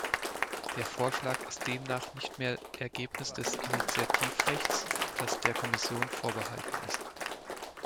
Der Vorschlag ist demnach nicht mehr Ergebnis des Initiativrechts, das der Kommission vorbehalten ist.